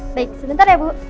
baik sebentar ya bu